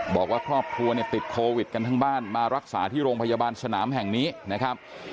บอกว่าครอบครัวเนี่ยติดโควิดกันทั้งบ้านมารักษาที่โรงพยาบาลสนามแห่งนี้นะครับ